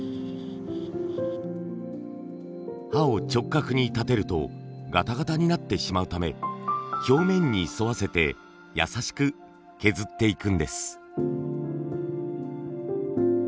刃を直角に立てるとガタガタになってしまうため表面に沿わせてやさしく削っていくんです。